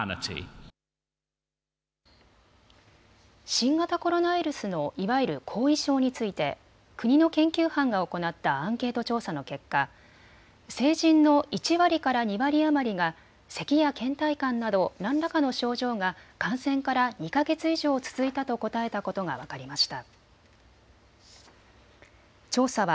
新型コロナウイルスのいわゆる後遺症について国の研究班が行ったアンケート調査の結果、成人の１割から２割余りがせきやけん怠感など何らかの症状が感染から２か月以上続いたと答えたことが分かりました。